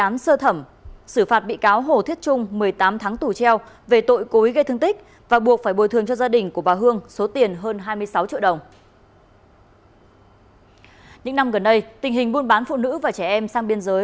những năm gần đây tình hình buôn bán phụ nữ và trẻ em sang biên giới